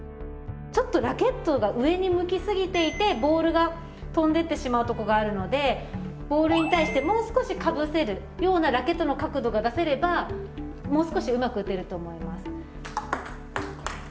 ちょっとラケットが上に向き過ぎていてボールが飛んでってしまうとこがあるのでボールに対してもう少しかぶせるようなラケットの角度が出せればもう少しうまく打てると思います。